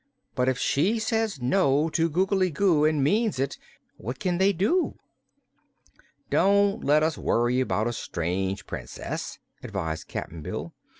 But if she says no to Googly Goo, and means it, what can they do?" "Don't let us worry about a strange Princess," advised Cap'n Bill.